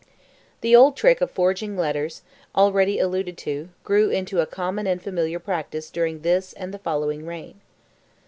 The old trick of forging letters, already alluded to, grew into a common and familiar practice during this and the following reign.